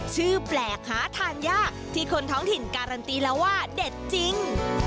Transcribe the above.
ชื่อแปลกหาทานยากที่คนท้องถิ่นการันตีแล้วว่าเด็ดจริง